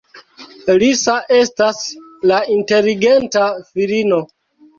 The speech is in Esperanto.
Lisa estas la inteligenta filino.